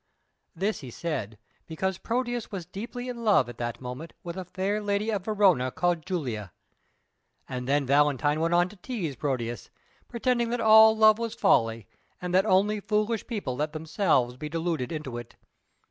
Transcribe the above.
This he said because Proteus was deeply in love at that moment with a fair lady of Verona called Julia. And then Valentine went on to tease Proteus, pretending that all love was folly, and that only foolish people let themselves be deluded into it.